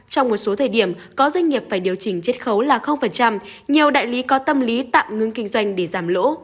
trong một số thời điểm có doanh nghiệp phải điều chỉnh chết khấu là nhiều đại lý có tâm lý tạm ngưng kinh doanh để giảm lỗ